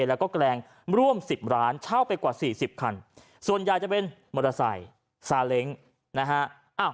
แล้วก็แกรงร่วม๑๐ร้านเช่าไปกว่า๔๐คันส่วนใหญ่จะเป็นมอเตอร์ไซค์ซาเล้งนะฮะ